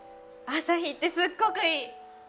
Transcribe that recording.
アサヒってすっごくいい！